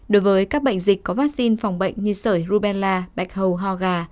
đối với các bệnh dịch có vaccine phòng bệnh như sởi rubella bạch hầu ho gà